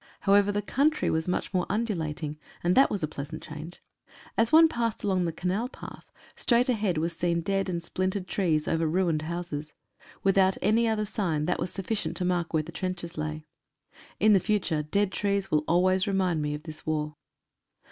However, the country was much more undulating, and that was a pleasant change. As one passed along the Canal path, straight ahead was seen dead and splintered trees, over ruined houses. Without any other sign, that was suffi cient to mark where the trenches lay. In the future dead trees will always remind me of this war.